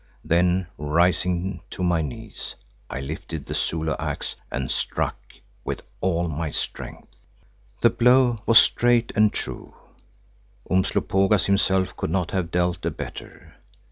Then rising to my knees, I lifted the Zulu axe and struck with all my strength. The blow was straight and true; Umslopogaas himself could not have dealt a better.